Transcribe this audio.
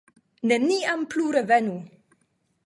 Neniam plu revenu!